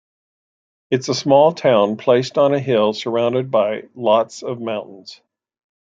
It is a small town placed on a hill surrounded by lots of mountains.